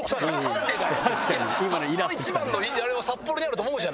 サッポロ一番のあれは札幌にあると思うじゃない。